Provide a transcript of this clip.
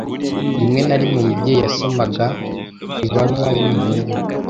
Rimwe na rimwe umubyeyi yasomaga ibaruwa y'umuhungu we.